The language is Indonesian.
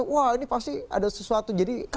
wah ini pasti ada sesuatu jadi